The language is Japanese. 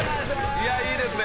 いやいいですね